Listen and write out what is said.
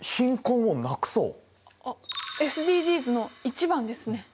あっＳＤＧｓの１番ですね！